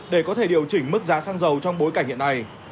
để có thể điều chỉnh mức giá xăng dầu trong bối cảnh hiện nay